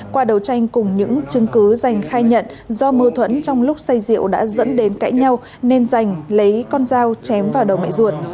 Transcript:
qua đấu tranh cùng những chứng cứ giành khai nhận do mơ thuẫn trong lúc xây diệu đã dẫn đến cãi nhau nên giành lấy con dao chém vào đầu mẹ ruột